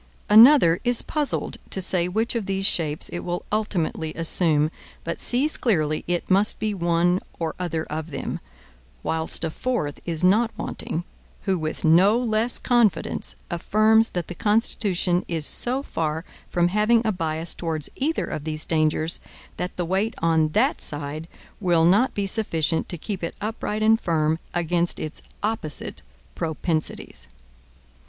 Another is puzzled to say which of these shapes it will ultimately assume, but sees clearly it must be one or other of them; whilst a fourth is not wanting, who with no less confidence affirms that the Constitution is so far from having a bias towards either of these dangers, that the weight on that side will not be sufficient to keep it upright and firm against its opposite propensities.